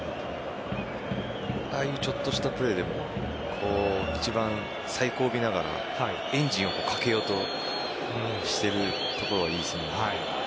ああいうちょっとしたプレーでも一番最後尾ながらエンジンをかけようとしているところがいいですね。